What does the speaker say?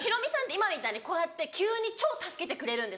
今みたいにこうやって急に超助けてくれるんですよ。